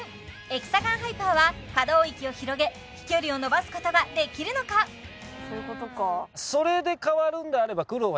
エクサガンハイパーは可動域を広げ飛距離を伸ばすことはできるのか？